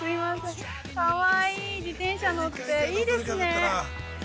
かわいい自転車乗って、いいですね。